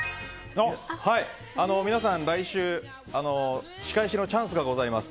皆さん、来週仕返しのチャンスがございます。